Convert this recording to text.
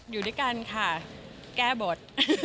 อยู่ด้วยกันค่ะแก้บท